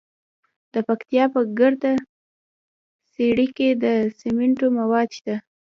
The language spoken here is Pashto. د پکتیا په ګرده څیړۍ کې د سمنټو مواد شته.